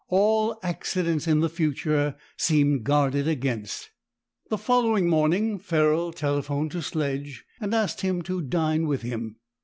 All accidents in the future seemed guarded against. The following morning Ferrol telephoned to Sledge and asked him to dine with him.